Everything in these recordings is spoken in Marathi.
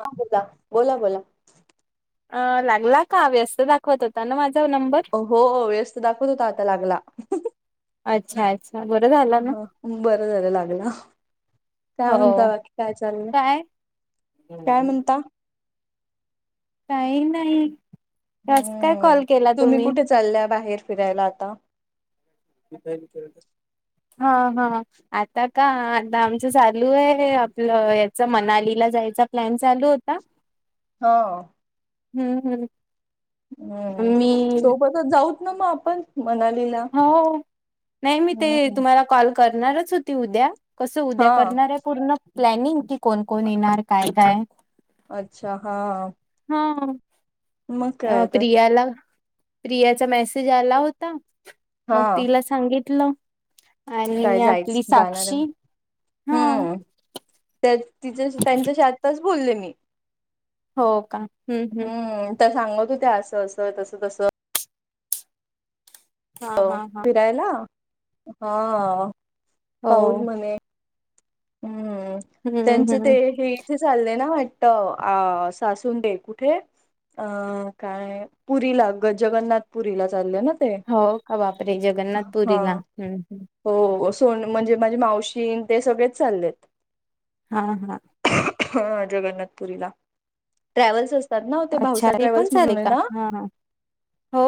हा बोला. बोला, बोला. अ लागला का, व्यस्त दाखवत होता ना माझा नंबर? अ हो व्यस्त दाखवत होता आता लागला. अच्छा अच्छा बरं झालं ना हा बरं झालं लागला. काय म्हणता हो बाकी काय चाललं? काय काय म्हणता? काही नाही. कस काय हम्म, कॉल केला तुम्ही कुठे चालल्या बाहेर फिरायला आता? हा हा आता का आता आमचं चालू आहे आपलं याच मनालीला जायच प्लॅन चालू होता हो हम्म, हम्म. हम्म. मी सोबतच जाऊत ना मग आपण मनालीला. हो नाही मी ते हम्म तुम्हाला कॉल करणार होती उद्या कस उद्या हा करणारे पूर्ण की कोण कोण येणार काय काय अच्छा हा हा मग हा अ काय तर प्रियाला. प्रियाचा मेसेज आला होता. हा मग तिला सांगितलं काय आणि आपली जायचं जाणार आहे साक्षी हा हम्म त्या तिच्या त्यांच्याशी आताच बोलले मी हो का हम्म हम्म. त्या सांगत होत्या असं असं तस तस हा हो हा हा फिरायला हा पाऊज हो म्हणे हम्म हम्म त्यांचं ते हम्म हे ते चालले ना वाटत अ सासुंडे कुठे? अ काय पुरीला ग जगन्नाथपुरीला चाललंय ना ते हो का बापरे हा जगन्नाथपुरीला हम्म हम्म. हो सोन म्हणजे माझे मावशी ते सगळेच चाललेत. हा हा हा जगन्नाथपुरीला ट्रॅव्हल्स असतात ना ते अच्छा भाऊसा पण ट्रॅव्हल्स झाले म्हणून का ना हा हा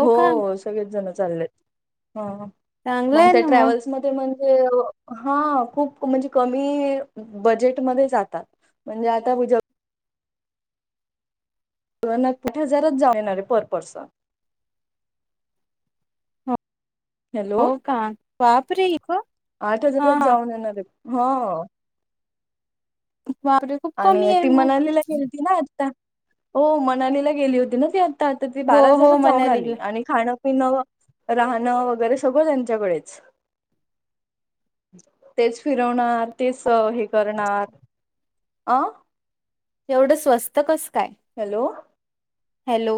हो सगडे जण चालय हो हो चांगलं मग आहे त्या ना ट्रॅव्हल्स मध्ये म्हणजे, हा खूप म्हंजे कमी बजेट मध्ये जातात म्हणे आता मी जेव त नापठ हजारात जाऊ येणारे पर पर्सन हो हॅलो हो का पापरे इक आठ हजारात जाऊन येणारे हा. महादग आणि ती मनालीला गेली होती ना आता हो मनालीला गेली होती ना ती आत तर ती हो बारा हो हजारच जाऊन मनालीला आली आणि खाणं पिणं राहणं वगैरे सगळं त्यांच्याकडेच तेच फिरवणार तेच हे करणार. आ? ते एवढं स्वस्त कस काय? हॅलो हॅलो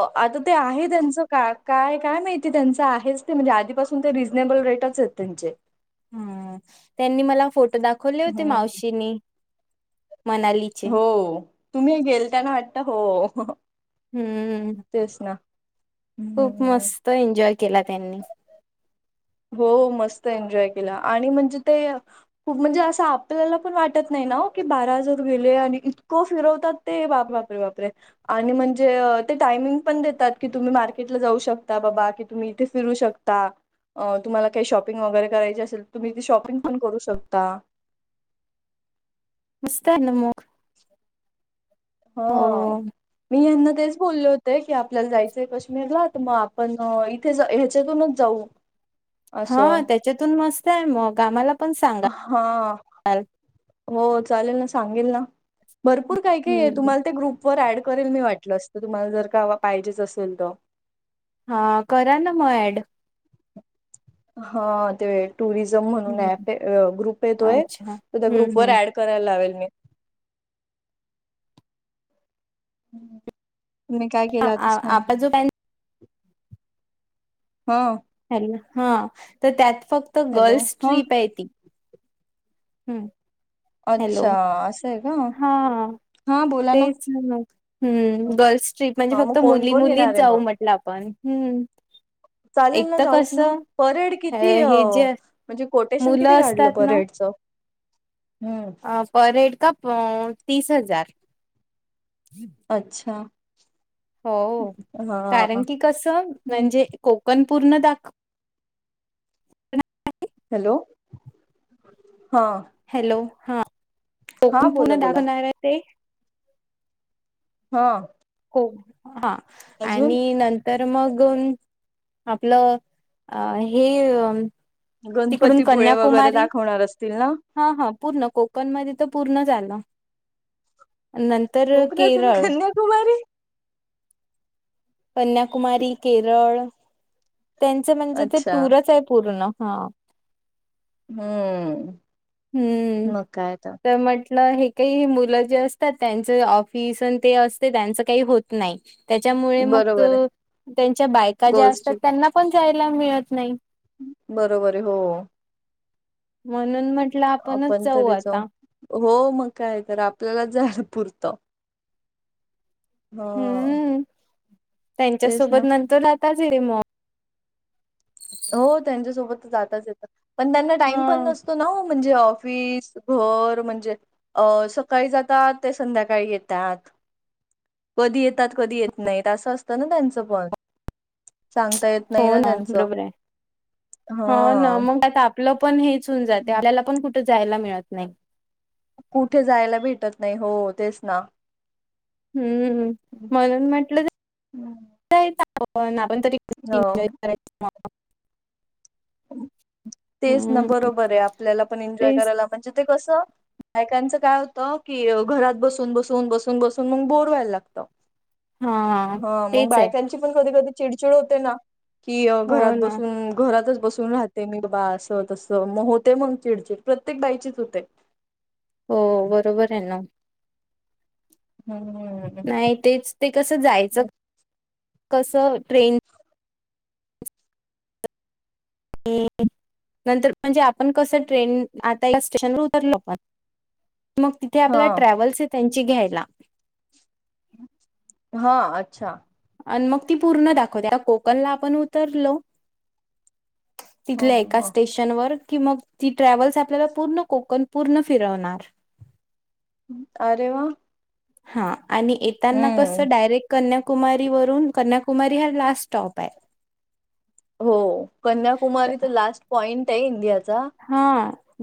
आता ते आहे त्यांचं का काय काय माहिती त्यांच आहेच ते म्हणजे आधीपास पण ते रिजनेबल रेटच आहेत त्यांचे हम्म त्यांनी मला फोटो दाखवले होते हम्म मावशीने मनालीचे हो तुम्ही गेल त्यांना वाटत हो हम्म तेच ना खूप हम्म मस्त एन्जॉय केला त्यांनी हो मस्त एन्जॉय केला आणि म्हणजे ते खूप म्हणजे असं आपल्याला पण वाटत नाही ना की बाराहजार गेले आणि इतकं फिरवतात. ते वापरे वापरे वापरे आणि म्हणजे ते टायमिंग पण देतात की तुम्ही मार्केट ला जाऊ शकता बाबा की तुम्ही येथे फिरू शकता. अ तुम्हाला काही शॉपिंग वगैरे करायची असेल तर तुम्ही ती शॉपिंग पण करू शकता मस्त आहे ना मग. हो मी ह्यांना तेच बोलले होते की आपल्याला जायचंय कश्मीरला तर मग आपण इथे ह्याच्यातूनच जाऊ. [inaudible] हा त्याच्यातून मस्त आहे मग आमाला पण हा सांगाल हो चालेल ना सांगेल ना भरपूर काय काही येत हम्म ते ग्रुपर ऍड करेल मी वाटलं असतं तुम्हाला जर का पाहिजेच असेल तर. हा करा ना म ऍड. हा ते टुरिजम म्हणून हम्म. ऍप आहे अ ग्रुप येतोय अच्छा तर त्या ग्रुप हम्म व हम्म ऍड करायला लावेल मी. हम्म तुम्ही काय आ- केला. आ- आपला जो पॅन [unintelligible] हो हॅलो हा तर त्यात फक्त हॅलो गर्ल्स हा ट्रीप आहे ती. हम्म हॅलो अच्छा असं आहे का हा हा बोला ना. तेच. [unintelligible] हम्म गर्ल्स ट्रीप म्हणजे हा मग फक्त कोण मुली कोण येणार मुलीच आहे जाऊ मग म्हटलं आपण हम्म. चालेल एक ना तर जाऊत ना कसं परहेड किती अ हे जे म्हणजे कोटेशन किती मुलं काढलं असतात ना परहेडचं? हम्म. अ पर हेड का प तीस हजार. अच्छा! हो कारण हा की कसं म्हणजे कोकण पूर्ण दाखव हॅलो हां. हॅलो हा कोकण बोला पुणं बोला दाखवणार आहे ते. हा. को हा अजून आणि नंत तर मगन आपलं अ हे तिकडून गणपतीपूळे वगैरे कन्याकुमारी दाखवणार असतील ना. हा हा पूर्ण कोकण मध्ये तर पूर्ण जाल्ला नं तर कोकणातून केरळ कन्याकुमारी कन्याकुमारी, केरळ त्यांच म्हणजे ते अच्छा टूरच आहे पूर्ण हा. हम्म. हम्म मग काय तर म्हटलं हे काही मुलं जे असतात त्यांच ऑफिस आणि ते असते त्यांचं काही होत नाही. त्याच्यामुळे मग बरोबर आहे तो त्यांच्या बायका ज्या असतात गोष्टी त्यांना पण जायला मिळत नाही. बरोबर आहे हो. म्हणून म्हटलं आपणच आपण जाऊ तरी आता. हो मग काय तर आपल्याला जायला पुरतं. हो. हम्म त्यांच्यासोबत नंतर आताच रे मग हो त्यांच्यासोबत जातच येता पण त्यांना टाइम पण हा नस तो नाव म्हणजे ऑफिस घर म्हणजे अ सकाळी जातात ते संध्याकाळी येतात. कधी येतात कधी येत नाहीत असं असतं ना त्यांचं पण. सांगता येत नाही ना त्यांचं. हा ना मग आता आपलं पण हेच होऊन जाते आपल्याला पण कुठं जायला मिळत नाही. कुठे जायला भेटत नाही हो तेच ना. हम्म म्हणून म्हटलं [inaudible] आपण तरी कूठे हो ईनजोय करतो. [unintelligible] तेच ना हम्म बरोबर आहे आपल्याला पण एन्जॉय तेच करायला म्हणजे ते कसं बायकांचं काय होतं की घरात बसून बसून बसून बसून मग बोर व्हायला लागतं. हा मग तेच आहे बायकांची पण कधी कधी चिडचिड होते ना. कि हो घरात ना बसून घरातच बसून राहते मी बघ बा असं तसं मग होते मग चिडचिड प्रत्येक बाईचीच होते. हो बरोबर आहे ना. हम्म. नाही तेच ते कसं जायचं कसं ट्रेन [unintelligible] नंतर म्हणजे आपण कसं ट्रेन आता ए स्टेशनवर उतरलो पण मग तिथे आपला हा ट्रॅव्हल्स आहे त्यांची घ्यायला. हा अच्छा! आणि मग ती पूर्ण दाखवत्या कोकणला आपण उतरलो ह तिथल्या ह एका ह स्टेश त्यानं वर मग ती ट्रॅव्हल आपल्या पूर्ण कोकण पूर्ण फिरवणार. अरे वाह! हा आणि येतांना कसं डायरेक्ट कन्याकुमारी वरून कन्याकुमारी हा लास्ट स्टॉप आहे. हो कन्याकुमारी तर लास्ट पॉइंट आहे इंडियाचा. हा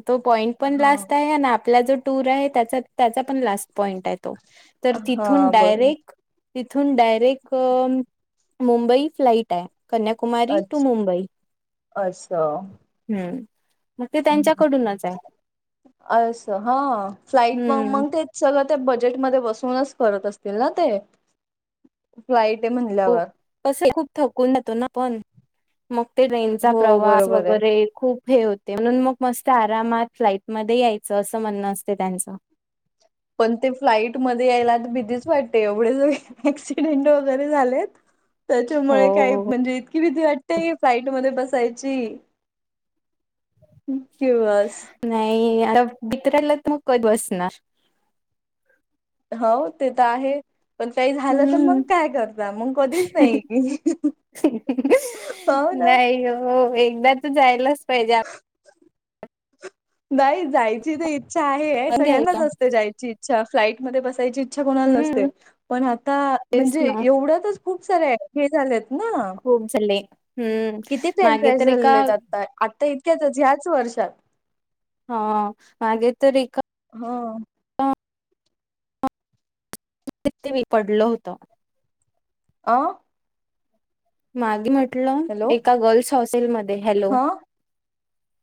तो पॉइंट पण हा लास्ट आहे आन आपल्या जो टूर आहे त्याचा त्याचा पण लास्ट पॉइंट आहे तो तर तिथून हा बरोबर डायरेक् तिथून डायरेक मुंबई फ्लाइट आहे. कन्याकुमारी टू अच्छ मुंबई असं हम्म. मग ते त्यांच्याकडूनच आहे असं हा फ्लाइट म हम्म मंग ते चल आता बजेटमध्ये बसूनच करत असतील ना ते. फ्लाईट आहे म्हणल्यावर कसं आहे खूप थकून जातो ना पण मग ते ट्रेनचा हो प्रवास बरोबर आहे वगैरे खूप हे होते म्हणून मग मस्त आरामात फ्लाईटमध्ये यायचं असं म्हणणं असते त्यांचं. पण ते फ्लाईटमध्ये यायला तर भितीज वाटते एवढेच एक्सीडेंट वगैरे झालेत? त्याच्यामुळे काही हो म्हणजे इतकी भीती वाटतेय की फ्लाईटमध्ये बसाय ची हम्म पीवास नाही आता भितरयाला तर मग कध बसणार. हाव ते तर आहे. पण काही झालं तर मंग हम्म काय करता मंग कधीच नाही की नाही हो एकदा तर जायलाच पाहिजे नाही जायची तर इच्छा आहे हे आपण सगळ्यांनाच घ्यायला असते जायची इच्छा फ्लाइटमध्ये बसायची अच्छा कोणाला नसते हम्म पण आता तेच म्हणजे ना एवढ्यातच खूप सारे हे झालेत ना खूप झाली हम्म किती ट्रेन मागे क्रॅश तरी एका झालेले आहेत आता आता इतक्याचच ह्याच वर्षात. हा मागे तरी का ह [unintelligible] मी पडलं होतं. आं मागे म्हटलं हॅलो एका गर्ल्स हॉस्टेलमध्ये हॅलो. हा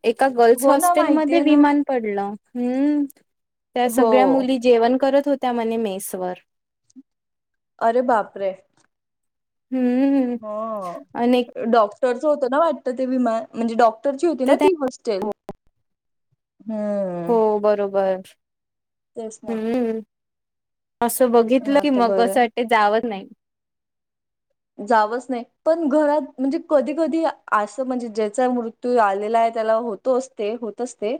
एका गर्ल्स हो ना हॉस्टेलमध्ये माहितीय ना विमान पडलं हम्म त्या हो सगळ्या मुली जेवण करत होत्या म्हणे मेसवर. अरे बापरे! हम्म. हो आणि एक डॉक्टरचं होतं ना वाटतं ते विमा म्हणजे डॉक्टरची होती ना तर त्या ती वस चेल हम्म. हो बरोबर. तेच ना. हम्म असं बघितलं की आता मग बरं आहे. असं वाटते जावं नाही. जावंच नाही पण घरात म्हणजे कधी कधी असं म्हणजे ज्याचा मृत्यू आलेला आहे त्याला होत तो असते होत असते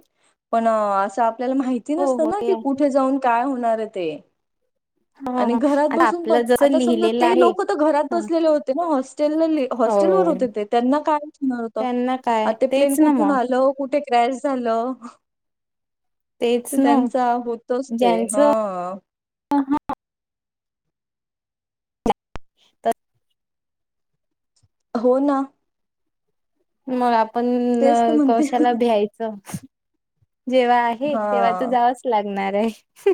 पण असं आपल्याला माहि ती हो नसतं हो ना कि ते कुठे जाऊन काय होणार आहे ते. हा आणि घरात आता बसून पण आपलं जसं आता समजा लिहिलेलं ते आहे लोकं तर घरात तसलेले होते ना हॉस्टेलले हॉस्टेलवर हो. होते ते त्यांना काय होणार होतं. त्यांना अ काय ते प्लेन तेच ना कुठून मग आलं कुठे क्रॅश झालं तेच तर ना त्यांचा होतोच ते ज्यांचं हा. त हो ना. मग तेच तर आपणं म्हणते कशाला भ्यायचं जेव्हा हे हा तेव्हा त जावच लागणार आहे.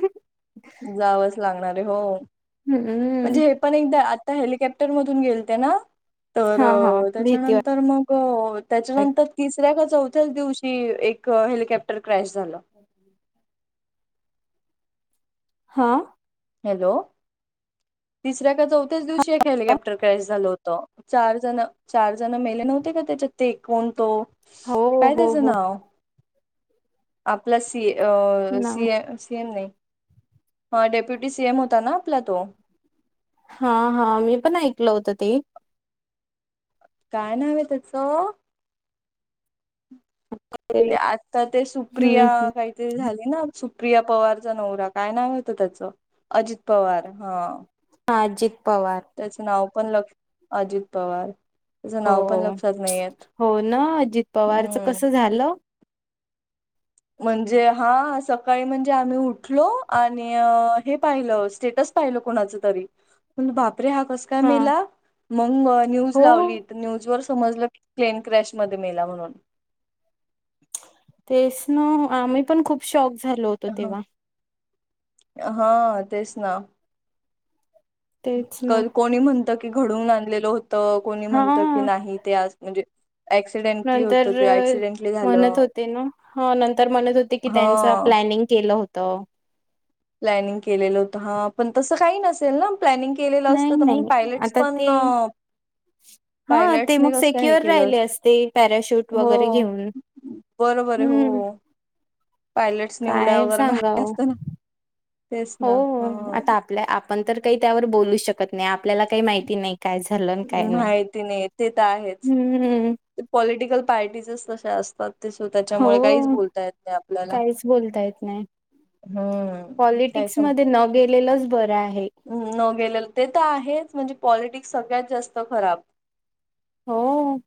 जावंच लागणारे हो. हम्म. म्हणजे हे पण एकदा आता हेलिकॉप्टर मधून गेलते ना तर हा हा भीती वाट त्याच्यानंतर मग हो त्याच्यानंतर तिसऱ्या का चौथ्याच दिवशी एक हेलिकेप्टर क्रॅश झालं. हा. हॅलो तिसऱ्या का चौथ्याच दिवशी एक हेलिकॉप्टर क्रॅश झाल होतं. चार जणं चार जणं मेले नव्हते का त्याच्यात ते कोण तो हो काय हो त्याचं हो नाव? आपला सी अ ना सी ए सी एम नाही आ डेप्युट डी सी एम होता ना आपला तो. हा हा मी पण ऐकलं होत ते. काय नाव आहे त्याचं? ते हम्म आता ते सुप्रिया हम्म काही ते झाले ना सुप्रिया पवारचा नवरा काय नावं होत त्याचं अजित पवार हा. आजित पवार त्याचं नाव पण लक्ष अजित पवार त्याचं नावं पण हो. लक्षात नाहीयत. हो ना अजीत पवारचं कसं झालं. म्हणजे हा सकाळी म्हणजे आम्ही उठलो आणि हे पाहिलं स्टेटस पाहिलो कोणाच तरी पण बापरे हा कसं काय हा मेला मंग न्यूज हो लावली न्यूज वर समजलं की प्लेन क्रॅश मध्ये मेला म्हणून. तेच न आम्ही पण खूप शॉक झालो होतो तेव्हा. हा तेच ना. तेच ना कल कोणी म्हणतं की घडून आणलेलं होतं कोणी हा म्हणतं की नाही ते आज म्हणजे ऍक्सिडेंटली नंतर होतं ते ऍक्सिडेंटली म्हणत झालं होते ना हा नंतर म्हणत होते की त्यांच हा प्लॅनिंग केलं होतं. प्लॅनिंग केलेलं होतं हा पण तसं काही नसेल ना. प्लॅनिंग केलेलं नाही असतं त मग नाही पायलटस आता पण ते अ हा ते पायलटस ने मग कसं काय हे सेक्युअर केलं राहिले असते पॅराशूट हो. वगैरे घेऊन बरोबर आहे हो हम्म पायलटस नि उड्या काय वगैरे मारल्या सांगाव असतं ना. तेच ना हां. पल्या आपण तर काही त्यावर बोलू शकत नाही आपल्याला काही माहिती नाही. काय झालं न काय नाही माहिती नाही ते तर आहेच हम्म. ते पॉलिटिकल पार्टीजच तशे असतात. ते स्वतःच्या मुळे काहीच हो बोलता येत नाही आपल्याला. काहीच बोलता येत नाही हम्म काय समजा. गेलेलाच बरं आहे. हम्म न गेलेलं ते तर आहेच म्हणजे पॉलिटिक्स सगळ्यात जास्त खराब. हो.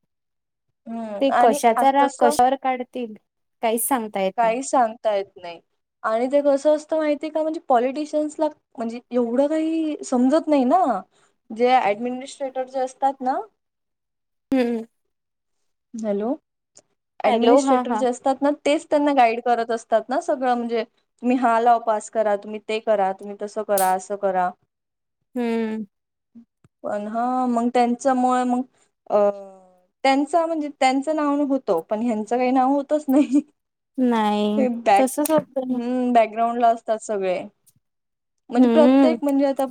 हम्म ते आणि आज कशाचा राग तसं कशावर काढतील काहीच सांगता येत नाही. ता येत नाही आणि ते कसं असतं माहिती का म्हणजे पॉलिटिशियन्सला म्हणजे एवढं काही समजत नाही ना, जे ऍडमिनि सेटप जो आसतात ना, नाही. हॅलो. हॅलो हा ऍडमिनिस्ट्रेटर हा जे असतात ना, तेच त्यांना गाईड करत असतात ना. सगळं म्हणजे, तुम्ही हा लाव पास करा, तुम्ही ते करा तुम्ही तसं करा असं करा. हम्म. पण हा मग त्यांच्यामुळे मग अं.. त्यांच म्हणजे, त्यांचं नावान होतो. पण त्यांचं काही नाव होतच नाही. नाही ते बॅक, तसच होतं हम्म... बॅकग्राउंड ला असतात सगळे. म्हणजे हम्म. प्रत्येक, म्हणजे आता.